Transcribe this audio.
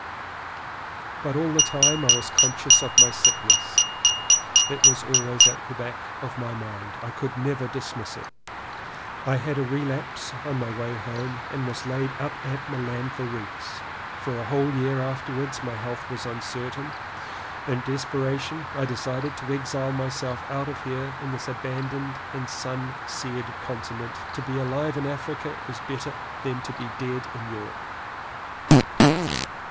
But all the time I was conscious of my sickness. It was always at the back of my mind. I could never dismiss it. I had a relapse on my way home and was laid up at Milan for weeks. For a whole year after wards my health was uncertain. In despera tion I decided to exile myself out here in this abandoned and sun seared continent. To be alive in Africa is better than to be dead in Europe.